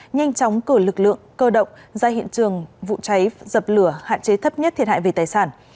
nhanh chóng cử lực lượng cơ động ra hiện trường vụ cháy dập lửa hạn chế thấp nhất thiệt hại về tài sản